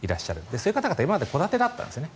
そういう方々は今まで戸建てだったんですね。